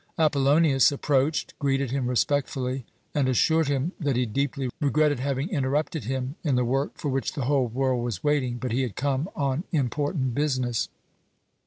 Apollonius approached, greeted him respectfully, and assured him that he deeply regretted having interrupted him in the work for which the whole world was waiting, but he had come on important business.